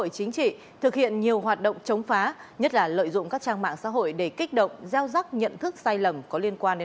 xin chào và hẹn gặp lại